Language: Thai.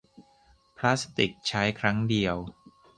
พลาสติกใช้ครั้งเดียว